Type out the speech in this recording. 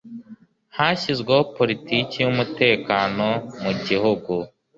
hashyizweho politiki y'umutekano mu gihugu